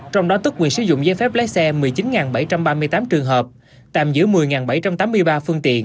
trong đó tức quyền sử dụng giấy phép lái xe một mươi chín bảy trăm ba mươi tám trường hợp tạm giữ một mươi bảy trăm tám mươi ba phương tiện